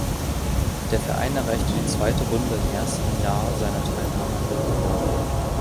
Der Verein erreichte die zweite Runde im ersten Jahr seiner Teilnahme am Wettbewerb.